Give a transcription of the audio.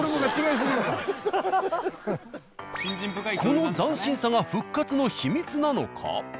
この斬新さが復活のヒミツなのか？